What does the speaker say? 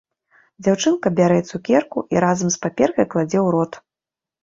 Дзяўчынка бярэ цукерку і разам з паперкай кладзе ў рот.